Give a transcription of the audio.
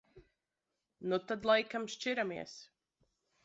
Nu tad laikam šķiramies.